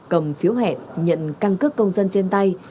cầm phiếu hẹn nhận căn cước công dân trên tay